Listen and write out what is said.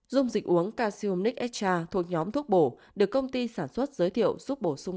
dùng dịch uống casium nick extra thuộc nhóm thuốc bổ được công ty sản xuất giới thiệu giúp bổ sung